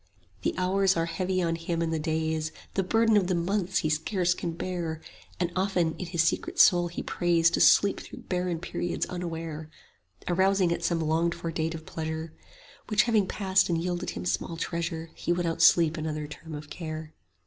The hours are heavy on him and the days; The burden of the months he scarce can bear; And often in his secret soul he prays 10 To sleep through barren periods unaware, Arousing at some longed for date of pleasure; Which having passed and yielded him small treasure, He would outsleep another term of care.